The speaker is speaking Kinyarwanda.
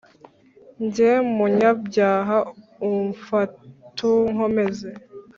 Jye munyabyaha umfat' unkomeze,